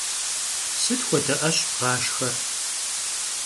Sıt xuede 'eş bğaşşxer?